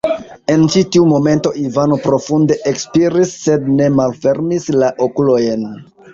En ĉi-tiu momento Ivano profunde ekspiris, sed ne malfermis la okulojn.